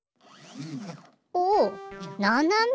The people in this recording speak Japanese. おおななめ。